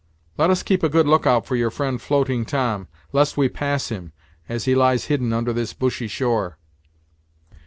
Let us keep a good lookout for your friend Floating Tom, lest we pass him, as he lies hidden under this bushy shore."